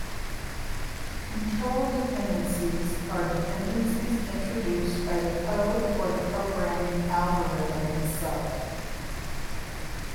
Control dependencies are dependencies introduced by the code or the programming algorithm itself.